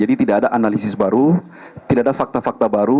jadi tidak ada analisis baru tidak ada fakta fakta baru